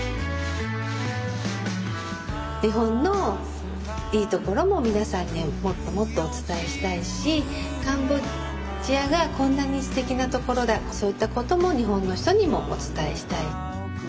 日本のいいところも皆さんにもっともっとお伝えしたいしカンボジアがこんなにすてきなところだそういったことも日本の人にもお伝えしたい。